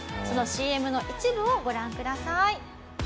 「そのＣＭの一部をご覧ください」